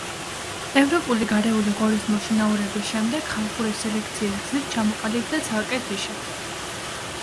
ევროპული გარეული ღორის მოშინაურების შემდეგ ხალხური სელექციის გზით ჩამოყალიბდა ცალკე ჯიშად.